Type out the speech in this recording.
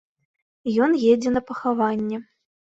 Ён едзе на пахаванне.